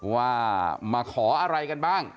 ว่ามาขออะไรกันบ้าง